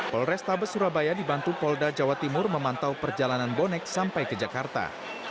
polrestabes surabaya dibantu polda jawa timur memantau perjalanan bonek sampai ke jakarta